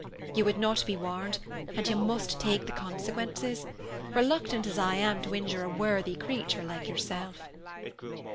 You would not be warned, and you must take the consequences, reluctant as I am to injure a worthy creature like yourself."